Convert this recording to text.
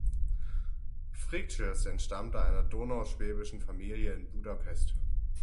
Frigyes entstammte einer donauschwäbischen Familie in Budapest.